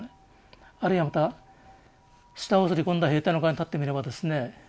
あるいはまた舌にすり込んだ兵隊の側に立ってみればですね